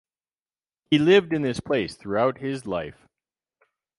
He lived in this place throughout his life.